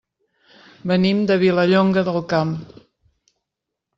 Venim de Vilallonga del Camp.